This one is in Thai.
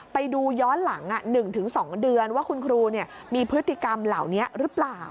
ไปดูย้อนหลัง๑๒เดือนว่าคุณครูมีพฤติกรรมเหล่านี้หรือเปล่า